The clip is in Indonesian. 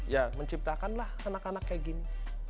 ya menciptakanlah anak anak kayak gini